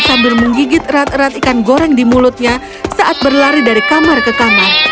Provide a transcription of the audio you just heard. sambil menggigit erat erat ikan goreng di mulutnya saat berlari dari kamar ke kamar